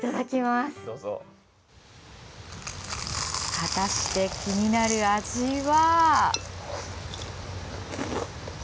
果たして、気になる味は。